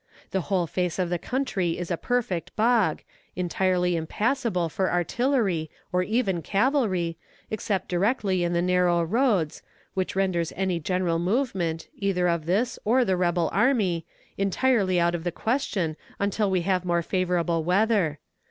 The whole face of the country is a perfect bog, entirely impassable for artillery, or even cavalry, except directly in the narrow roads, which renders any general movement, either of this or the rebel army, entirely out of the question until we have more favorable weather.